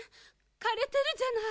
かれてるじゃない。